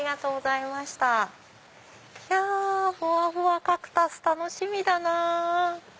いやフワフワカクタス楽しみだなぁ。